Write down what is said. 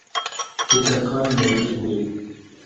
Aucun crâne n’a été trouvé.